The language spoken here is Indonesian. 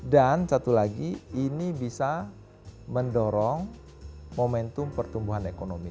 dan satu lagi ini bisa mendorong momentum pertumbuhan ekonomi